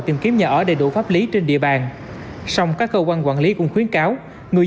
tìm kiếm nhà ở đầy đủ pháp lý trên địa bàn song các cơ quan quản lý cũng khuyến cáo người